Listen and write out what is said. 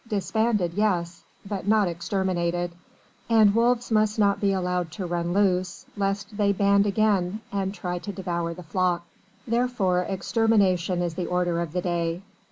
Disbanded, yes! but not exterminated, and wolves must not be allowed to run loose, lest they band again, and try to devour the flocks. Therefore extermination is the order of the day.